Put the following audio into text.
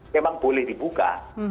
memang boleh dibuka